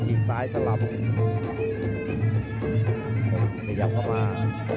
บีซ้ายสลับพยายามเข้ามา